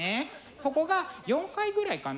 そこが４回ぐらいかな？